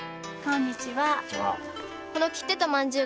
こんにちは。